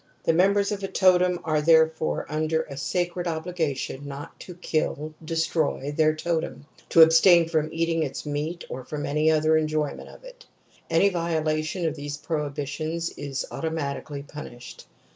The ^ members of a totem are therefore under a sacred obhgation not to kill (destroy) their totem, to abstain from eating its meat or from anv other enjoyment of it. Any violation of these prohibitions is automatically punished.